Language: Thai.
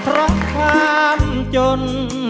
รักทางจน